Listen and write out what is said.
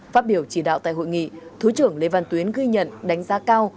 phát biểu chỉ đạo tại hội nghị thứ trưởng lê văn tuyến ghi nhận đánh giá cao